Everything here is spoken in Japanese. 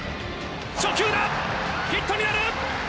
初球だヒットになる！